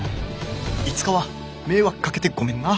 いつかは明惑かけてごめんな。